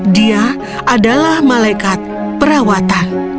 dia adalah malaikat perawatan